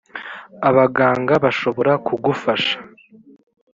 abaganga bashobora kugufasha